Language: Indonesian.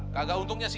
kagak untungnya sih